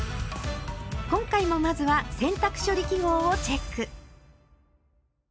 今回もまずは「洗濯処理記号」をチェック。